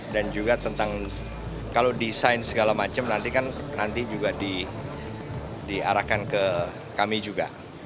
dan juga tentang kalau desain segala macam nanti kan nanti juga diarahkan ke kami juga